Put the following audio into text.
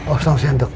oh selamat siang dok